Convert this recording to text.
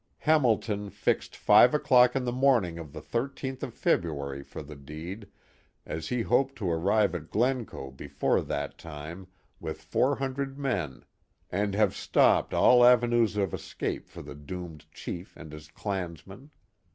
Hamilton fixed five o'clock in the morning of the 13th of February for the deed, as he hoped to arrive at Glencoe before that time with four hundred men and have stopped all avenues of escape for the doomed chief and his clansmen.